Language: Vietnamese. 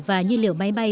và nhân liệu máy bay